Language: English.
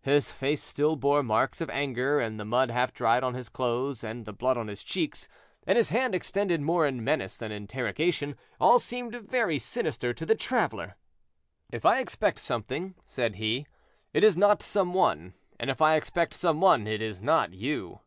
His face still bore marks of anger, and the mud half dried on his clothes and the blood on his cheeks, and his hand extended more in menace than interrogation, all seemed very sinister to the traveler. "If I expect something," said he, "it is not some one; and if I expect some one, it is not you."